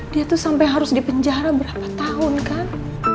dia tuh sampe harus di penjara berapa tahun kan